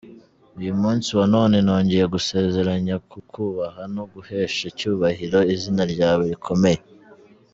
Uyu munsi wa none nongeye gusezeranya kukubaha no guhesha icyubahiro Izina ryawe Rikomeye.